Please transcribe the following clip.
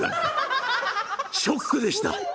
ショックでした。